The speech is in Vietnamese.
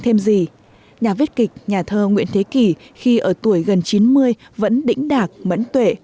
thêm gì nhà viết kịch nhà thơ nguyễn thế kỳ khi ở tuổi gần chín mươi vẫn đỉnh đạc mẫn tuệ